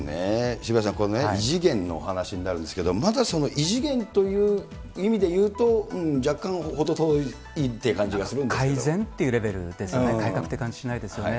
渋谷さん、この異次元のお話になるんですけど、まだその異次元という意味でいうと、若干程遠いっていう感じがす改善っていうレベルですね、改革って感じしないですよね。